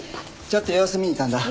ちょっと様子見に来たんだ。